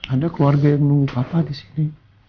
ada keluarga yang nunggu papa disini